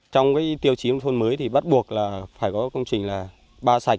trong tiêu chí thôn mới bắt buộc phải có công trình ba sạch